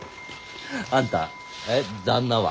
あんたえっ旦那は？